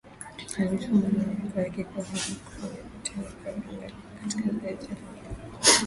alitoa malalamiko yake kuwa kumekuwa na vitendo vya udanganyifu katika zoezi la wapigaji kura